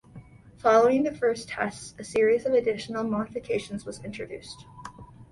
Following the first tests, a series of additional modifications was introduced.